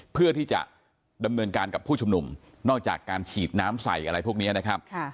เพื่อที่จะดำเนินการกับผู้ชุมนุมนอกจากการฉีดน้ำใส่อะไรพวกนี้นะครับ